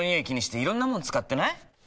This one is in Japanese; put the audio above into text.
気にしていろんなもの使ってない？